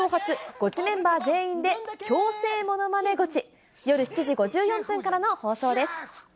ゴチメンバー全員で強制モノマネゴチ。